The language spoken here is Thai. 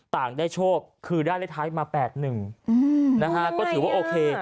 ต่างได้โชคคือได้ได้ท้ายมาแปดหนึ่งอืมนะฮะก็ถือว่าโอเค